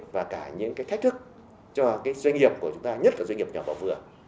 và cả những cái thách thức cho doanh nghiệp của chúng ta nhất là doanh nghiệp nhỏ bảo vừa